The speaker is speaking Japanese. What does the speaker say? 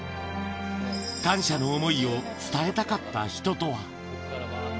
感謝の想いを伝えたかった人とは。